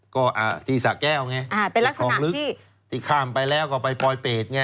ก็ที่สะแก้วไงของลึกที่ข้ามไปแล้วก็ไปปลอยเปรตไง